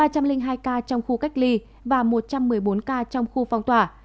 ba trăm linh hai ca trong khu cách ly và một trăm một mươi bốn ca trong khu phong tỏa